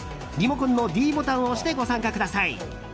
リモコンのｄボタンを押してご参加ください。